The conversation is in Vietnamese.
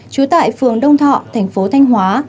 trú tại phường đông thọ tp thanh hóa